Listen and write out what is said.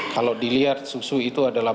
kalau dilihat susu itu adalah